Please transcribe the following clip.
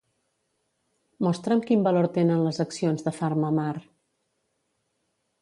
Mostra'm quin valor tenen les accions de PharmaMar.